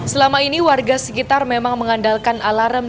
selama ini warga sekitar memang mengandalkan alarm